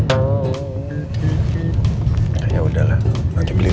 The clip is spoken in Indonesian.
kayaknya udahlah nanti beli lagi